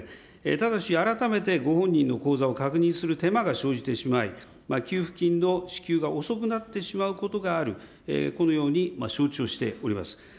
ただし、改めてご本人の口座を確認する手間が生じてしまい、給付金の支給が遅くなってしまうことがある、このように承知をしております。